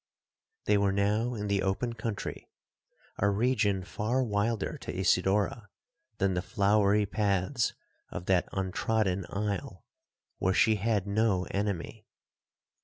'They were now in the open country,—a region far wilder to Isidora than the flowery paths of that untrodden isle, where she had no enemy.